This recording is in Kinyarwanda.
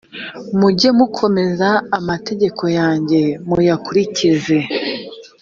mujye mukomeza amategeko yanjye muyakurikize